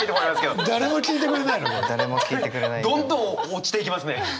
どんどん落ちていきますね！